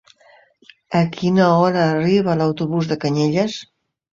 A quina hora arriba l'autobús de Canyelles?